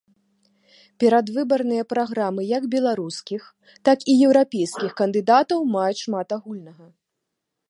Перадвыбарныя праграмы як беларускіх, так і еўрапейскіх кандыдатаў маюць шмат агульнага.